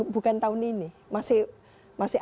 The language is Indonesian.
bukan tahun ini masih